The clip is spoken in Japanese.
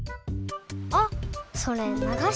あっそれながし